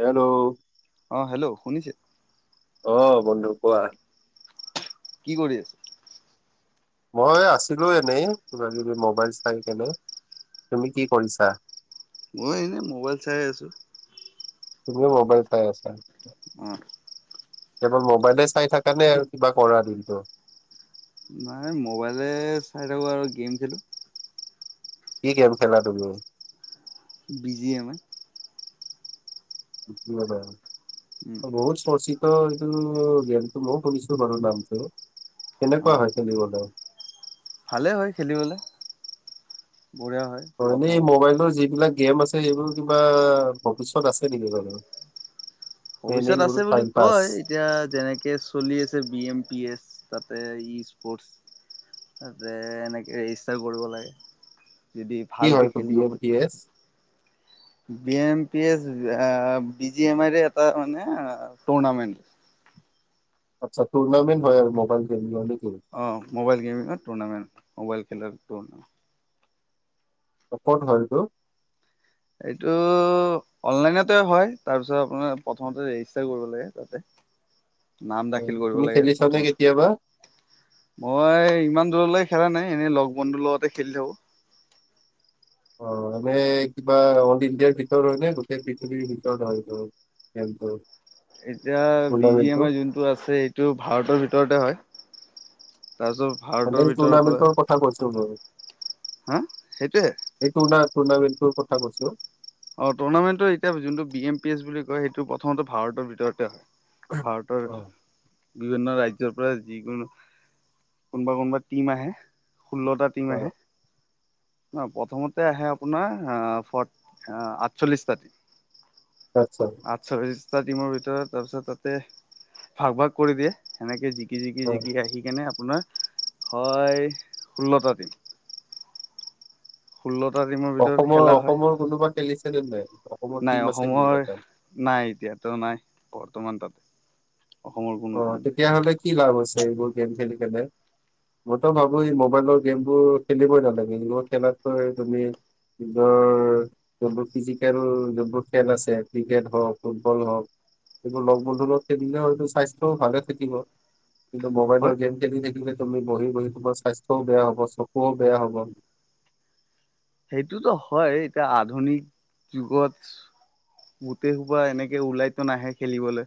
Hello অ hello শুনিছে? অহ বন্ধু কোৱা কি কৰি আছা? মই আছিলো এনেই কিবা কিবি মবাইল চাই কেনে। তুমি কি কৰিছা? মই এনেই মোবাইল চাই আছো তুমিও ম'বাইল চাই আছা? অহ কেৱল মোবাইলে চাই থাকানে আৰু কিবা কৰা দিনতো? নাই মোবাইলে চাই থাকো আৰু গেম খেলো। কি গেম খেলা তুমি? বি জি এম য়াই [unintelligible] উম বহুত চৰচি অ এইটো মও গেমটো মও সুনিছো বাৰু নামটো অ কেনেকুৱা হয় খেলিবলৈ? ভালে হয় খেলিবলৈ। হয় এনেই এই মোবাইলটোৰ যিবিলাক। গেম আছে এইবোৰ কিবা ভৱিষ্যত আছে নেকি মানে। ভৱিষ্যত আছে বুলি কয় এতিয়া যেনেকে চলি আছে বি এম পি এচ তাতে ই। স্পৰ্টছ তাতে এনেকে ৰেজিষ্টাৰ কৰিব লাগে। যদি কি ভালকে হয়তো বি খেলিব এম খোজে। P S. B M P S আ বিজি এমাৰে এটা মানে টুৰ্নামেণ্ট। আচ্ছা টুৰ্নামেণ্ট হয় মবাইল গেম। অ মোবাইল গেম টুৰ্নামেণ্ট। মোবাইল খেলাৰটো ন। ক'ত হয়টো। এইটো অনলাইনতে হয় তাৰ পাছত আপোনাৰ প্ৰথম ৰেজিষ্টাৰ কৰিব লাগে তাতে। নাম অ, দাখিল কৰিব তুমি লাগে খেলিছানে কেতিয়াবা? প্ৰথমতে মই ইমান দূৰলেই খেলা নাই এনেই লগ বন্ধুৰ লগতে খেলি থাকো। অ মানে কিবা অল ইণ্ডিয়াৰ ভিতৰত হয়নে গোটেই পৃথিৱীৰ ভিতৰত হয়টো খেলটো। এতিয়া বি এম আই যোনটো আছে এইটো ভাৰতৰ ভিতৰতে হয়। তাৰপিছত ভাৰতৰ মানে ভিতৰৰ পৰা টুৰ্নামেন্টৰ কথা কৈছো মই। হা সেইটোৱে। এই টুৰ্ণা টুৰ্ণামেণ্টটোৰ কথা কৈছো। অ টুৰ্ণামেণ্টটো এতিয়া যোনটো বি এম পি এছ বুলি কয় সেইটো প্ৰথমতে ভাৰতৰ ভিতৰতে হয়। ভাৰতৰ অ' বিভিন্ন ৰাজ্য। যৰ পৰা যিকোনো কোনবা কোনোবা টিম আহে। ষোল্লটা টিম অ, আহে। ন প্ৰথমতে আহে আপোনাৰ আহ ফ আঠচল্লিশটাত। আচ্ছা আচ্ছা। টিমৰ ভিতৰত তাৰপিছত তাতে ভাগ ভাগ কৰি দিয়ে সেনেকে জিকি। কি জিকি অ'। জিকি আহি কেনে আপ। আপোনাৰ হয় ষোল্লটা দিন। ষোল্ল। অসমৰ অসমৰ কোনোবা খেলিছেনে নাই। অসমৰ নাই টিম আছে নেকি অসমৰ তাতে? নাই এতিয়াতো নাই। বৰ্তমান তাত। অসমৰ কোনো অ' টিম তেতিয়াহ'লে নাই। কি লাভ হৈছে এইবোৰ গেম খেলি কেনে মইতো ভাবো এই মোবাইলৰ গেম বোৰ খেলিবই নালাগে এইবোৰ খেলাতকৈ তুমি নিজৰ যোনবোৰ ফিজিকেল যোনবোৰ খেল আছে ক্ৰিকেট হওক, ফুটবল হওঁক এইবোৰ লগ বন্ধুৰ লগত খেলিলে হয়তো চাই ভালে থাকিব। কিন্তু হয় মবাইলৰ গেম খেলি থাকিলে তুমি বহি বহি তোমাৰ স্বাস্থ্যও বেয়া হব চকুও বেয়া হৱ। সেইটোতো হয় এতিয়া আধুনিক যুগত গোটেই সোপা এনেকে ওলাইতো নাহে খেলিবলৈ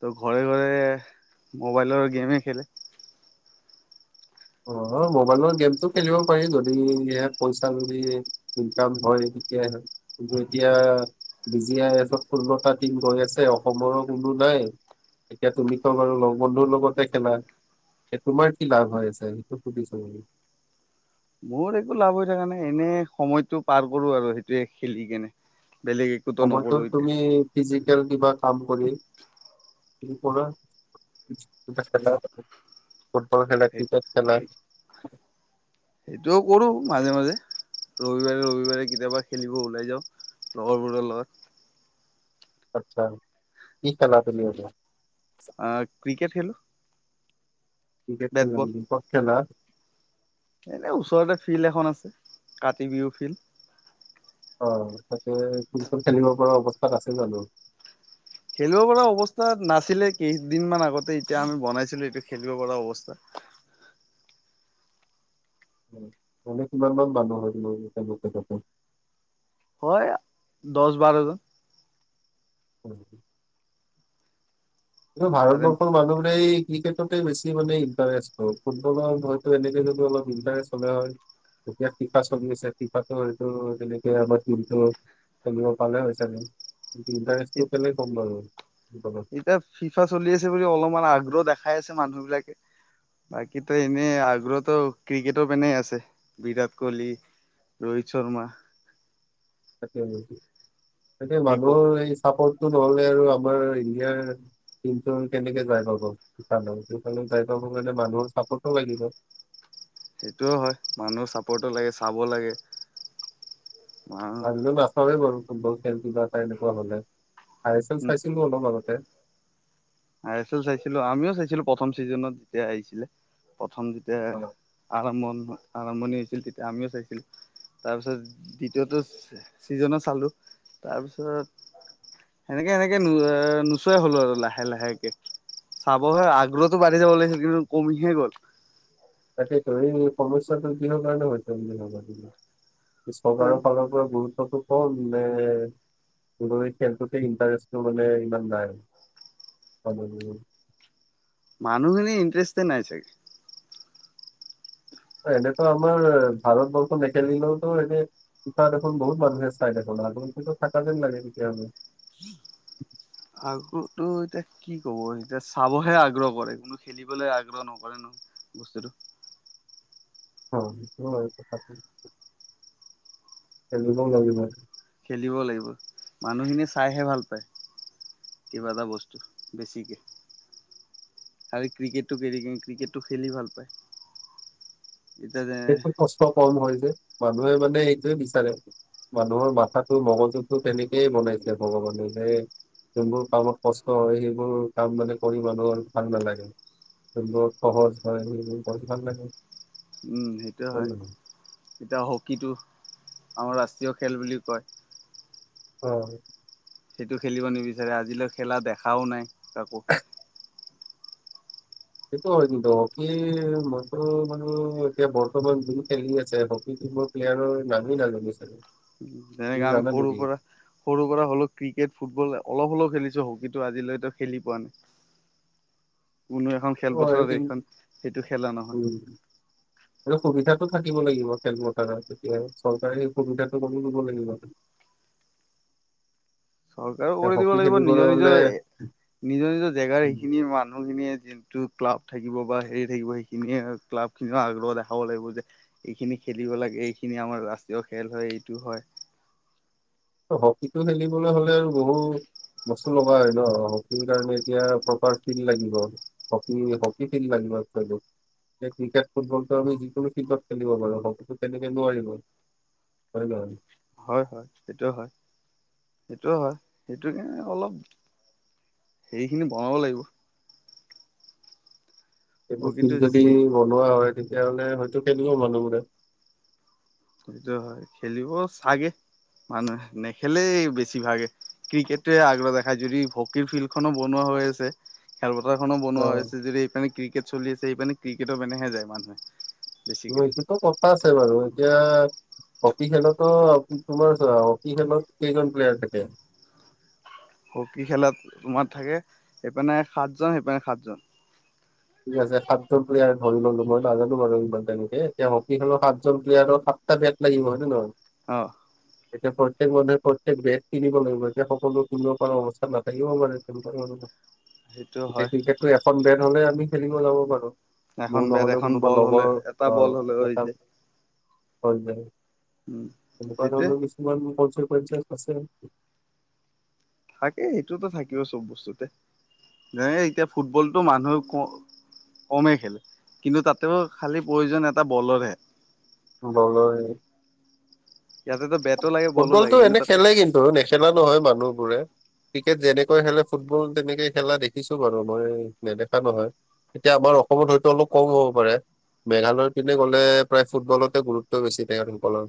ত ঘৰে ঘৰে মোবাইলৰ গেমে খেলে অ মোবাইলৰ গেমটো খেলিব পাৰি যদি ইনে পইচা যদি ইনকাম হয় তেতিয়াহে কিন্তু এতিয়া বি জি আই এফত ষোল্লটা টিম গৈ আছে অসমৰো কোনো নাই এতিয়া তুমি ত বাৰু লগ বন্ধুৰ লগতে খেলা এ তোমাৰ কি লাভ হৈ আছে সেইটো [unintelligible] মোৰ একো লাভ হৈ থকা নাই এনে সময়তটো পাৰ কৰো আৰু সেইটোৱে খেলি কেনে বেলেগ একোতো অবৰ্তত নকৰো তুমি এতিয়া ফিজিকেল কিবা কাম কৰি আজি পৰা কিবা খেলাৱ হক ফুটবল খেলাই ক্ৰিকেট খেলাই। সেইটোও কৰো মাজে মাজে ৰবিবাৰে ৰবিবাৰে কেতিয়াবা খেলিব ওলাই যাওঁ লগৰবোৰৰ লগত। আচ্ছা, কি খেলা তুমি এনে? আ ক্ৰিকেট খেলো। ক্ৰিকেট বেট খেলা বল নেকি। ক'ত খেলা? এনে ওচৰতে ফিল্ড এখন আছে কাতি বিহু ফিল্ড অ তাকে কোন কোন খেলিব পৰা অৱস্থাত আছে জানো খেলিব পৰা অৱস্থা নাছিলে কেইদিনমান আগতে এতিয়া আমি বনাইছিলো এইটো খেলিব পৰা অৱস্থা। মানে কিমান মান মানুহ হয় জোপে জাপে হয় দহ বাৰজন। উ। কিয় তাৰে ভাৰতবৰ্ষৰ মানুহবোৰে এই ক্ৰিকেটতে বেছি মানে ইণ্টাৰেষ্ট ফুটবলত হয়তো এনেকে যদি অলপ ইণ্টাৰেষ্ট হ'লে হয় তেতিয়া ফিফা চলি আছে ফিফাটো হয়তু তেনেকে আমাৰ টিমটো খেলিব পালে হয় চাগে। ইণ্টাৰেষ্টটো কেলে কম বাৰু। অ অ। এতিয়া ফিফা চলি আছে বুলি অলপমান আগ্ৰহ দেখাই আছে মানুহ বিলাকে বাকীতো এনে আগ্ৰহতো ক্ৰিকেটৰ পিনেই আছে বিৰাট কোহলি, ৰোহিত শৰ্মা থাকে নেকি? তাতে এই ক মানুহৰ এই চাপৰ্ট নহলে আৰু আমাৰ ইণ্ডিয়াৰ টিমটো কেনেকে যাই পাব ফিফালে ফিফালে যাই পাব কাৰনে মানুহৰ চাপৰ্টো লাগিব। সেইটোও হয় মানুহৰ চাপৰ্টো লাগে চাব লাগে। উম, আজিও নাচাওৱে বাৰো। ফুটবল খেল কিবা এটা এনেকুৱা হলে এই এছ এল চাইছিলো অলপ আগতে। আই এছ এল চাইছিলো আমিও চাইছিলো প্ৰথম চিজনত যেতিয়া আহিছিলে। প্ৰথম যেতিয়া অ, আৰম্ভন হ আৰম্ভণি হৈছিল তেতিয়া আমিও চাইছিলো তাৰপিছত দ্বিতীয়টো চিজনো চালো তাৰপিছত এনেকে এনেকে নোচোৱায়ে হলো আৰু লাহ লাহে লাহেকে চাবলৈ আগ্ৰহতো বাঢ়ি যাব লাগিছিল কিন্তু কমিহে গ'ল সেই এই সমস্যাটো কিহৰ কাৰণে হৈছে বুলি ভবা তুমি চৰকাৰৰ ফালৰ পৰা গুৰুত্বটো মে এই খেলটোতে ইণ্টাৰেষ্টটো মানে ইমান নাই মানুহখিনি ইণ্টাৰেষ্টে নাই চাগে এনেতো আমাৰ ভাৰতবৰ্ষ নেখেলিলেওতো এনে পফা দেখখন বহুত মানুহে চাই দেখ আগো থকা যেন লাগে তেতিয়াহলে আগ্ৰত এতিয়া কি ক'ব এতিয়া চাবহে আগ্ৰহ কৰে কোনো খেলিবলৈ আগ্ৰহ নকৰে ন বস্তুটো অ সেই ল লাগি ম কিবা এটা বস্তু বেছিকৈ আৰুাল ক্ৰিকেটোটো কে ক্ৰিকেটোটো খেলি ভাল পায় এতিয়া যে সেইটো কষ্ট কম হয় যে মানুহে মানে এইটোৱে বিচাৰে মানুহৰ মাথাটো মগজুতটো তেনেকেই বনাইছে ভগৱানে সে যোনবোৰ কামত কষ্ট হয় সেইবোৰ কাম মানে কৰি মানুহৰ ভাল নালাগে যোনবোৰ সহজ হয় সেইবোৰ কৰি ভাল লাগে সেইটোয়ে হয় নে নহয় এতিয়া হকীটো আমাৰ ৰাষ্ট্ৰীয় খেল বুলি কয় অ সেইটো খেলিব নিবিচাৰে আজিলৈ খেলা দেখাও নাই তাকো সেইটো হয় কিন্তু হকী মইতো মান এতিয়া বৰ্তমান যোৰ খেলি আছে হকীো মোৰ প্লেয়াৰৰ নামেই নাজানচাৰো যেনেকে আমি সৰু পৰা সৰু পৰা হ'লেও ক্ৰিকেট ফুটবল অলপ হলেও খেলিছো হকীতটো আজিলৈতো খেলি পোৱা নাই কোনো এখন অ খেলপথাৰত কিন্তু এইখন সেইটো খেলা উম, নহয় সুবিধাটো থাকিব লাগিব তেেল মটাৰত তেতিয়া চৰকাৰে সেই সুবিধাটো কৰিম দিব লাগিব চৰকাৰো কৰি দিব হকী লাগিব খেলিবলৈ নিজৰ হ'লে নিজৰ এ নিজৰ নিজৰ জেগাৰ সেইখিনি মানুহখিনিয় যোনটো ক্লাব থাকিব বা হেৰি থাকিব সেইখিনিয়ে ক্লাব খিনিও আগ্ৰহ দেখাব লাগিব যে এইখিনি খেলিব লাগে এইখিনি আমাৰ ৰাষ্ট্ৰীয় খেল হয় এইটো হয় হকীটো খেলিবলৈ হলে আৰু বহু বস্তু লগা হয় ন হকীৰ কাৰণে এতিয়া প্ৰপাৰ ফিল্ড লাগিব হী হকী ফিল্ড লাগিব খ ক্ৰিকেট ফুটবলটো আমি যিকোনো ফিল্ডত খেলিব পাৰো হকীটো তেনেকে নোৱাৰিব হয়ে নহয় হয় হয় সেইটোে হয় সেইটোে হয় সেইটোোক অলপ হেৰিখিনি বনাব লাগিব এইবোৰ ফিল্ম হকীটো যদি বনোৱা হয় তেতিয়া মানে হয়তো খেলিব মানুহবোৰে সেইটো হয় খেলিব চাগে মানুহে নেখেলেই বেছি ভাগে ক্ৰিকেটে আগ্ৰহ দেখা যদি হকীৰ ফিল্ডখননো বনোৱা হৈ আছে খেল ো অ বনোৱা হৈছে যদি এইে একেচল্িছ সেইানি ক্ৰিকেৰ মেহে যায় মানুে মকিতো কথা আছে বাৰু এতিয়া হকী খেলতো তোমাৰ হকী খেলত কেইজন প্লেয়াৰ থাকে হকী খেলাত তোমাৰ থাকে সেইপিনে সাতজন সেইপিনে সাতজন ঠিক আছে সাতজন প্লেয়াৰ ধৰি ললো মই নাজানো বাৰু একবাৰ তেনেকে এতিয়া হকী খেলৰ সাতজন প্লেয়াৰৰ সাতটা বেট লাগিব হয় নে নহয় অঁ এতিয়া প্ৰত্যেক মানুহে প্ৰত্যেক বেড কিনিব লাগিব এতিয়া সকলো ক পৰা অৱস্থা নথাকিব মানে সেইটো হয় তেনেকুৱা খিনু এখন বেন হলে আমি খেলিব যাব পাৰো এখন মোৰ বেট নহলে এখন কোনোবা বল হলে লগৰ এটা বল হলে যে হয় যায় দোকান সেইটোৱে কিছুমান প প [unintelligible] আছে থাকে সেইটোতো থাকিব চব বস্তুতে যে এতিয়া ফুটবলতটো মানুহে ক কমেই খেলে কিন্তু তাতেও খালি প্ৰয়োজন এটা বলৰহে। বলাৰ। ইয়াতেতো বেটো লাগে বলো লাগে ফুটবলতটো কিন্তু এনে তাতে খেলেই কিন্তু নেখেলা নহয় মানুহ বোৰে ক্ৰিকেট যেনেকৈ খেলে ফুটবল তেনেকে খেলা দেখিছো বাৰু মই নেদেখা নহয় এতিয়া আমাৰ অসমত হয়তো অলপ কম হ'ব পাৰে মেঘালয়ৰ পিনে গলে প্ৰায় ফুটবলতে গুৰুত্ব বেছি তেখেতসকলৰ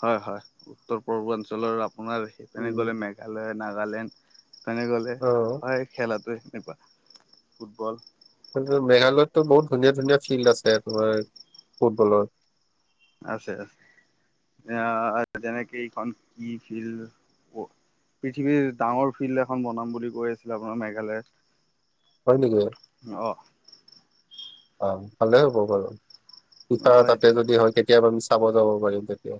হয় হয় উত্তৰ পূৰ্বাঞ্চলৰ তোমাৰ সেইপিনে উম, গলে মেঘালয় নাগালেণ্ড তেনে গলে অ'। হয় খেলাটোৱে। এনেুকুৱা ফুটবল। মেঘালয়ততো বহুত ধুনীয়া- ধুনীয়া ফিল্ড আছে তোমাৰ ফুটবলৰ। আছে আছে এতিয়া যেনেকে এইখন কি ফিল্ড পৃথিৱীৰ ডাঙৰ ফিল্ড এখন বনাম বুলি কৈ আছিলে আপোনাৰ মেঘালয়ত হয় নেকি? অ অ ভালে হ'ব বাৰু। টো তা অ তাতে এইটো যদি হয় কেতিয়াবা মি চাব যাব পাৰিম তেতিয়া।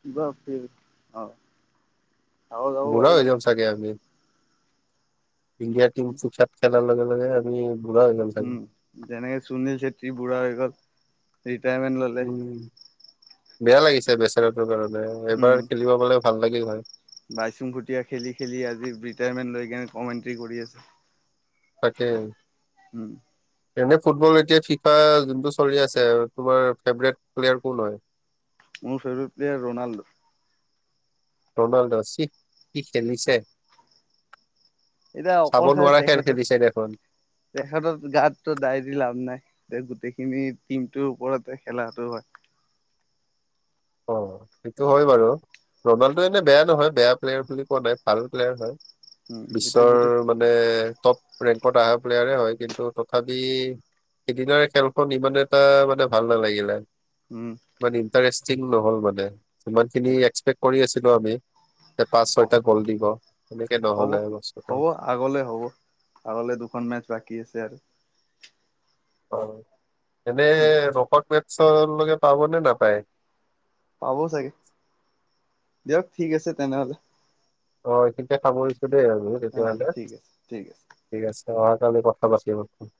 কিবা ফিল্ড অ চাব যাব বুঢ়া পাৰিব হৈ যাম চাগে আমি ইণ্ডিয়াৰ টিমত চোচাত খেল। যোৱাৰ লগে লগে আমি। বুঢ়া হৈ যাম চাগে। উম যেনেকে সুনীল চেত্ৰী বুঢ়া হৈ গ'ল। ৰিটায়াৰমেণ্ট ললেে। উম। বেয়া লাগিছে বেছেৰাটোৰ কাৰণে মই উম এবাৰ খেলিব পালে ভাল লাগিল। হয়। বাইচুং খুটীয়া খেলি খেলি আজি ৰিটায়াৰমেণ্ট লৈ কিনে কমেণ্ট্ৰি কৰি আছে। তাকে। উম এনে ফুটবল এতিয়া ফিফা যোনটো চলি আছে তোমাৰ ফেভৰেট প্লেয়াৰ কোন হয়। মোৰ ফেভৰেট প্লেয়াৰ ৰনাল্ডো। ৰনাল্ডো চি কি খেলিছে। এতিয়া চাব অকলশাৰে নোৱাৰা খেল তেখেতৰ খেলিছে দেখোন তেখেতৰ গাতো দাই দি লাভ নাই। গোটেইখিনি টিমটোৰ ওপৰতে খেলাটো হয়। অ সেইটো হয় বাৰু ৰনাল্ডো এনে বেয়া নহয় বেয়া প্লেয়াৰ বুলি কোৱা নাই ভাল প্লেয়াৰ হয়। উম এতিয়া বিশ্বৰ গোটেই মানে। টপ ৰেংকত অহা প্লেয়াৰে হয় কিন্তু তথাপি সিদিনাৰে খেলখন ইমান এটা মানে ভাল নালাগিলে। মানে ইণ্টাৰেষ্ট ঠিক নহল মানে সিমান খিনি উম এক্সপেক্ট কৰি আছিলো আমি যে পাঁচ হ ছয়টা গ'ল দিব। এনেকে হ'ব নহ'লে বস্তুটো হ'ব আগলে হ'ব আগলে দুখন মেচ বাকী আছে আৰু। অ', এনে [unintelligible] ওচৰ লকে পাব নে নাপায়? পাব চাগে দিয়ক ঠিক আছে তেনেহলে। অ এইখিনিতে সামৰিছোঁ। [unintelligible] আৰু অ তেতিয়াহলে ঠিক আছে আছে ঠিক আছে। অহাকালি কথা পাতিম।